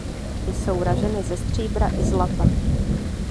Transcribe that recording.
Jsou raženy ze stříbra i zlata.